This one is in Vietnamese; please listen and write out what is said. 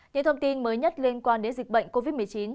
những thông tin mới nhất liên quan đến dịch bệnh covid một mươi chín